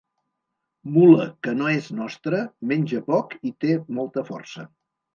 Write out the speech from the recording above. Mula que no és nostra, menja poc i té molta força.